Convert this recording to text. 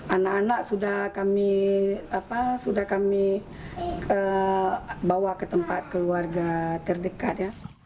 anak anak sudah kami bawa ke tempat keluarga terdekat